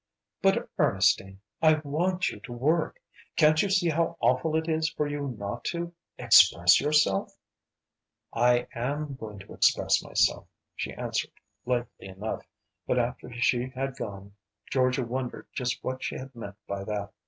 "But, Ernestine, I want you to work! Can't you see how awful it is for you not to express yourself?" "I am going to express myself," she answered, lightly enough, but after she had gone Georgia wondered just what she had meant by that.